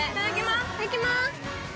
いただきます。